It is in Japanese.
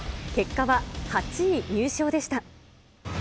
結果は８位入賞でした。